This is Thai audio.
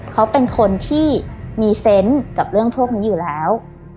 เขาเป็นคนที่มีเซนต์กับเรื่องพวกนี้อยู่แล้ว